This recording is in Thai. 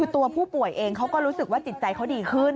ตัวผู้ป่วยเองเขาก็รู้สึกว่าจิตใจเขาดีขึ้น